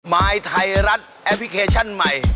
มายไทยรัฐแอปพลิเคชันใหม่